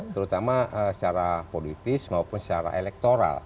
terutama secara politis maupun secara elektoral